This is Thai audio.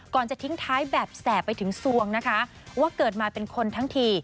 จะทิ้งท้ายแบบแสบไปถึงสวงนะคะว่าเกิดมาเป็นคนทั้งที